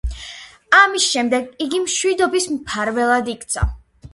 ამის შემდეგ იგი მშვიდობის მფარველად იქცა.